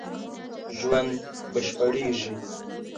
ژوند بشپړېږي